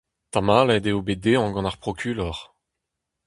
Tamallet eo bet dezhañ gant ar prokulor.